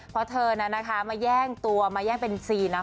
เพราะเธอนั้นนะคะมาแย่งตัวมาแย่งเป็นซีนนะ